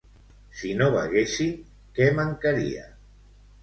Si no beguessin, què mancaria?